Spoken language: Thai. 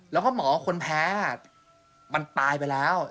แล้วก็หมอคนแพ้มันตายไปแล้ว